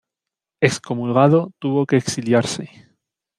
Excomulgado, tuvo que exiliarse.